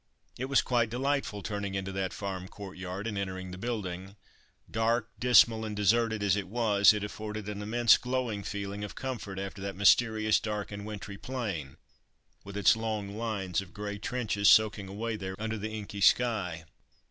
It was quite delightful turning into that farm courtyard, and entering the building. Dark, dismal and deserted as it was, it afforded an immense, glowing feeling of comfort after that mysterious, dark and wintry plain, with its long lines of grey trenches soaking away there under the inky sky.